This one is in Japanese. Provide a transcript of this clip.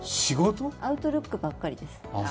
アウトルックばっかりです。